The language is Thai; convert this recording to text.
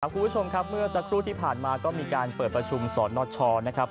คุณผู้ชมครับเมื่อสักครู่ที่ผ่านมาก็มีการเปิดประชุมสนชนะครับ